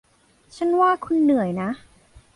ฉันว่าคุณเหนื่อยนะ